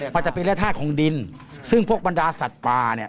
มันจะเป็นแร่ธาตุของดินซึ่งพวกบรรดาสัตว์ป่าเนี่ย